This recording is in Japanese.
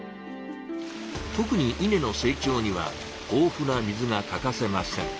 特に稲の成長にはほうふな水が欠かせません。